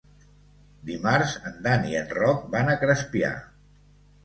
Dimarts en Dan i en Roc van a Crespià.